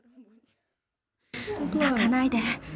泣かないで。